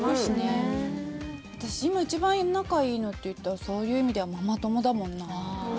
今一番仲いいのっていったらそういう意味ではママ友だもんな